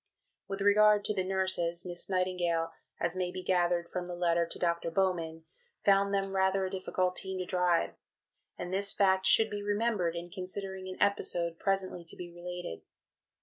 With regard to the nurses, Miss Nightingale, as may be gathered from the letter to Dr. Bowman, found them rather a difficult team to drive, and this fact should be remembered in considering an episode presently to be related (II.).